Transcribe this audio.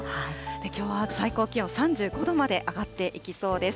きょうは最高気温３５度まで上がっていきそうです。